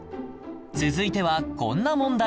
続いてはこんな問題